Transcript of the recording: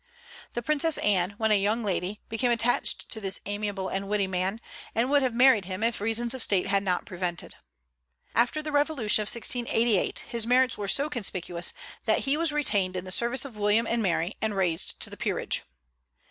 The Princess Anne, when a young lady, became attached to this amiable and witty man, and would have married him if reasons of State had not prevented. After the Revolution of 1688 his merits were so conspicuous that he was retained in the service of William and Mary, and raised to the peerage.